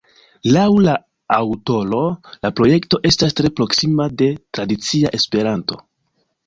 Laŭ la aŭtoro, la projekto estas tre proksima de tradicia Esperanto.